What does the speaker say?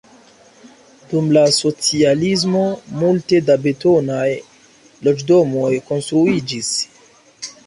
Dum la socialismo multe da betonaj loĝdomoj konstruiĝis.